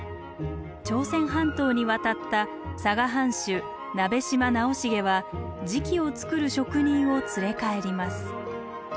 朝鮮半島に渡った佐賀藩主鍋島直茂は磁器を作る職人を連れ帰ります。